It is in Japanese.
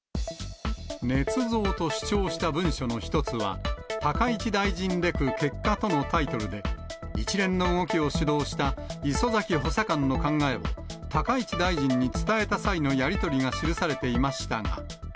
ねつ造と主張した文書の一つは、高市大臣レク結果とのタイトルで、一連の動きを主導した礒崎補佐官の考えを、高市大臣に伝えた際のやり取りが記されていましたが。